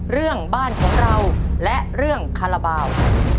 เรื่องบ้านของเราและเรื่องคาราบาล